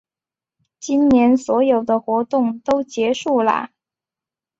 今年所有的活动都结束啦